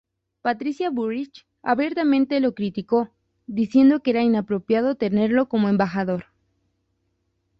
Patricia Bullrich abiertamente lo criticó, diciendo que era inapropiado tenerlo como Embajador.